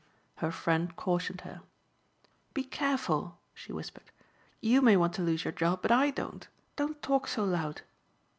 Her friend cautioned her. "Be careful," she whispered, "you may want to lose your job but I don't. Don't talk so loud."